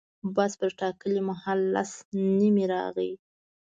بس پر ټاکلي مهال لس نیمې رانغی.